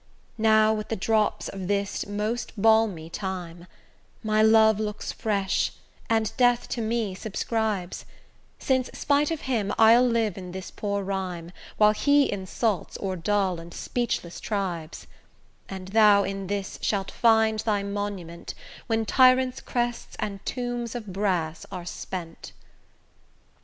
Now with the drops of this most balmy time, My love looks fresh, and Death to me subscribes, Since, spite of him, I'll live in this poor rime, While he insults o'er dull and speechless tribes: And thou in this shalt find thy monument, When tyrants' crests and tombs of brass are spent.